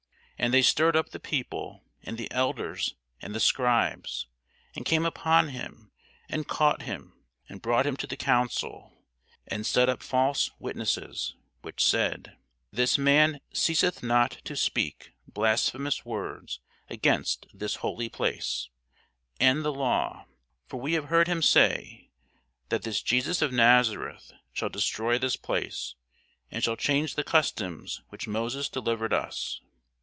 And they stirred up the people, and the elders, and the scribes, and came upon him, and caught him, and brought him to the council, and set up false witnesses, which said, This man ceaseth not to speak blasphemous words against this holy place, and the law: for we have heard him say, that this Jesus of Nazareth shall destroy this place, and shall change the customs which Moses delivered us.